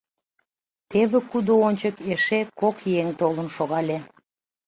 Теве кудо ончык эше кок еҥ толын шогале.